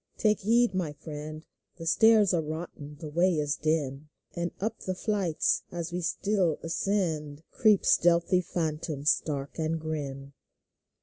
Take heed, my friend, The stairs are rotten, the way is dim ; And up the flights, as we still ascend. Creep stealthy phantoms dark and grim.